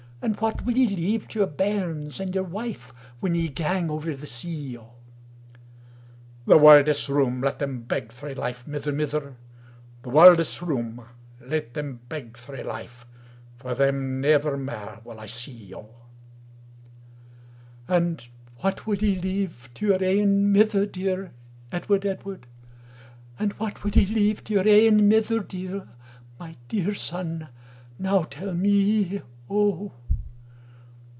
And what wul ye leive to your bairns and your wife, Whan ye gang ovir the sea O?""The warldis room, late them beg thrae life, Mither, mither, The warldis room, late them beg thrae life, For thame nevir mair wul I see O.""And what wul ye leive to your ain mither deir, Edward, Edward? And what wul ye leive to your ain mither deir? My deir son, now tell me O."